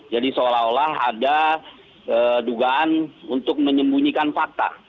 jadi seolah olah ada dugaan untuk menyembunyikan fakta